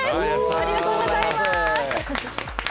ありがとうございます。